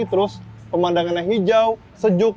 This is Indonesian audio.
terus pemandangannya hijau sejuk